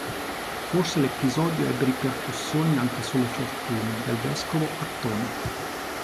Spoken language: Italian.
Forse l'episodio ebbe ripercussioni anche sulle fortune del vescovo Attone.